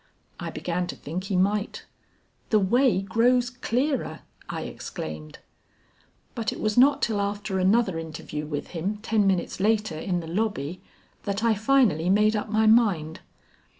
I began to think he might. "The way grows clearer!" I exclaimed. But it was not till after another interview with him ten minutes later in the lobby that I finally made up my mind.